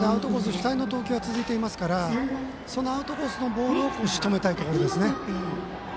主体の投球が続いていますがそのアウトコースのボールをしとめたいところですね。